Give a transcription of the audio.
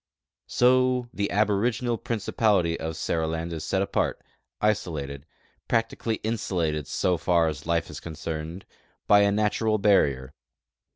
So the aboriginal principality of Seriland is set apart, isolated, prac tically insulated so far as life is concerned, hy a natural barrier.